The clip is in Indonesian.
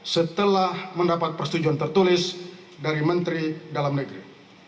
setelah mendapat persetujuan tertulis dari menteri dalam negeri